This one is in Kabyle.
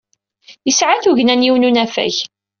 Yesɛa tugna n yiwen n unafag.